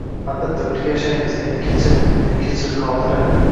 Albatta, birga yashaymiz, meni kechir, meni kechir, Qadira